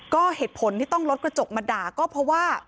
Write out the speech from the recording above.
ก็เหตุผลที่ต้องลดกระจกมาด่าก็เพราะว่า